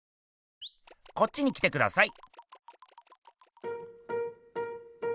こっちに来てください。